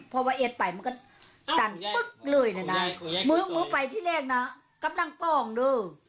เพราะว่าเอ็ดไปมันก็ตันปึ๊กเลยน่ะน่ะมึงมึงไปที่เรียกน่ะกับนั่งป้องด้วย